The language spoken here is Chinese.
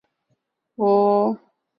放映中设有两次小间歇。